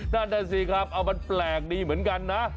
นั่นน่ะสิครับเอามันแปลกดีเหมือนกันนะ